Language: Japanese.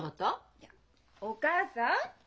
いやお母さん！